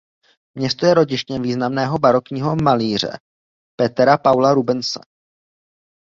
Město je rodištěm významného barokního malíře Petera Paula Rubense.